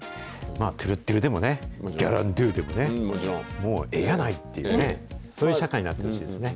とぅるっとぅるでもね、ギャランドゥでもね、もうええやないというね、そういう社会になってほしいですね。